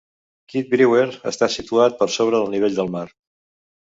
Kidd Brewer està situat per sobre del nivell del mar.